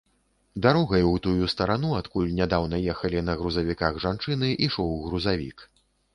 Дарогай, у тую старану, адкуль нядаўна ехалі на грузавіках жанчыны, ішоў грузавік.